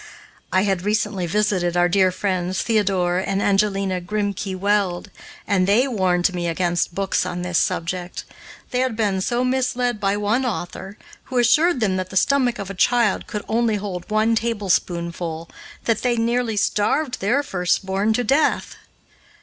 I had recently visited our dear friends, Theodore and Angelina Grimke Weld, and they warned me against books on this subject. They had been so misled by one author, who assured them that the stomach of a child could only hold one tablespoonful, that they nearly starved their firstborn to death.